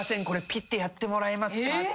これピッってやってもらえますか？